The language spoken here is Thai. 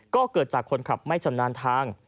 ก็เกิดจากคนขับไม่ชำนาญทาง